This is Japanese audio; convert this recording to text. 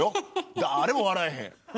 だれも笑えへん。